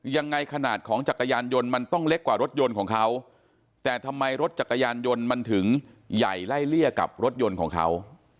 ยังไงขนาดของจักรยานยนต์มันต้องเล็กกว่ารถยนต์ของเขาแต่ทำไมรถจักรยานยนต์มันถึงใหญ่ไล่เลี่ยกับรถยนต์ของเขา